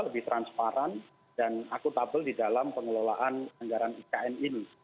lebih transparan dan akutabel di dalam pengelolaan anggaran ikn ini